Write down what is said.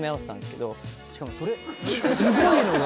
しかもそれすごいのが。